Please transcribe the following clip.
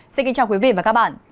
xin kính chào quý vị và các bạn